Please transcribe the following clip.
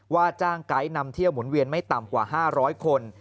ว่าจ้างไกด์นำเที่ยวหมุนเวียนไม่ต่ำกว่า๕๐๐คน